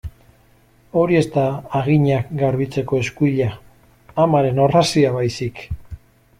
Hori ez da haginak garbitzeko eskuila, amaren orrazia baizik.